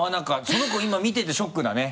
その子今見ててショックだね。